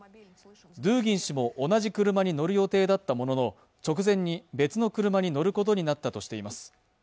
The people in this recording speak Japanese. ドゥーギン氏も同じ車に乗る予定だったものの直前に別の車に乗ることになったとしています。